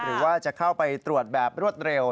หรือว่าจะเข้าไปตรวจแบบรวดเร็ว